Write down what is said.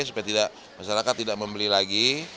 supaya tidak masyarakat tidak membeli lagi